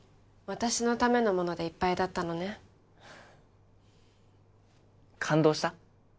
私のためのものでいっぱいだったのね感動した？